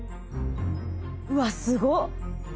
うわすごっ！